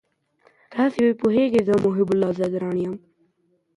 توري د ټوخي لپاره ګټور دي.